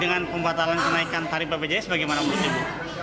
dengan pembatalan kenaikan tarif bpjs bagaimana mungkin ibu